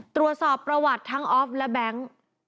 ตรวจสอบประวัติทั้งออฟและแบงค์